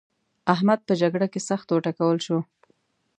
احمد په جګړه کې سخت وټکول شو.